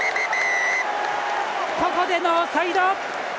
ここでノーサイド！